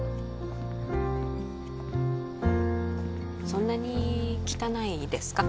そんなに汚いですか？